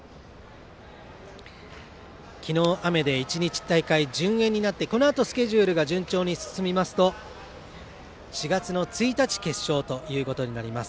昨日雨で１日大会順延になってこのあとスケジュールが順調に進みますと４月１日決勝という形になります。